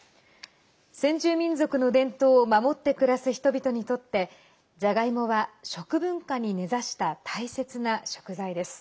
先住民族の伝統を守って暮らす人々にとってじゃがいもは食文化に根ざした大切な食材です。